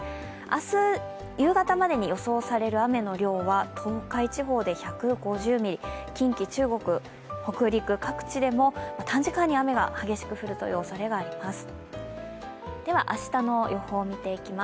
明日、夕方までに予想される雨の量は東海地方で１５０ミリ、近畿・中国・北陸各地でも短時間に雨が激しく降るおそれがあります。